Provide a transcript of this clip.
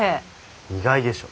意外でしょ。